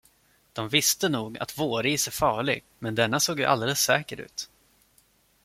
De visste nog, att våris är farlig, men denna såg ju alldeles säker ut.